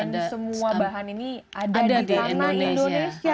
dan semua bahan ini ada di tanah indonesia